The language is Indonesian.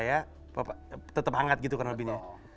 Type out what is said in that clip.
dan menambah gerai supaya tetap hangat gitu kan hobinya